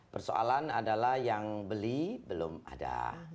persoalan adalah yang beli belum ada